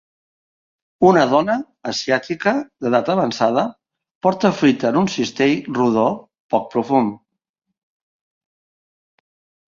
Una dona asiàtica d'edat avançada porta fruita en un cistell rodó poc profund.